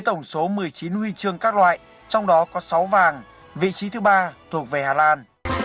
tổng số một mươi chín huy chương các loại trong đó có sáu vàng vị trí thứ ba thuộc về hà lan